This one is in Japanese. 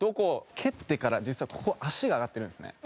蹴ってから実はここ足が上がってるんですね。